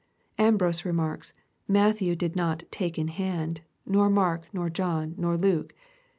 Ambrose re marks, " Matthew did not take in hand^ nor Mark, nor John, nor Luke.